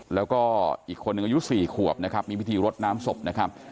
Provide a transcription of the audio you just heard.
แล้วก็อีกคนหนึ่งอายุ๔ขวบนะครับมีพิธีรดน้ำศพนะครับ